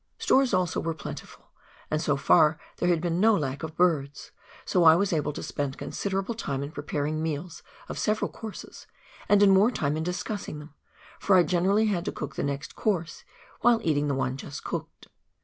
Stores also were plentiful, and so far there had been no lack of birds, so I was able to spend considerable time in preparing meals of several courses, and more time in discussing them, for I generally had to cook the next course while eating the one just cooked